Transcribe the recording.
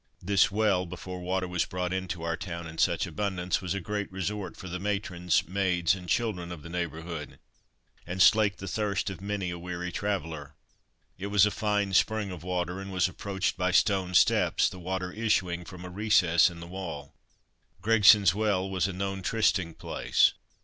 This well, before water was brought into our town in such abundance, was a great resort for the matrons, maids, and children of the neighbourhood, and slaked the thirst of many a weary traveller. It was a fine spring of water, and was approached by stone steps: the water issuing from a recess in the wall. "Gregson's Well" was a known trysting place.